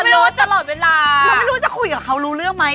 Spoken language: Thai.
เราไม่รู้ว่าจะคุยกับเขารู้เรื่องไหม